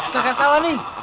gak salah nih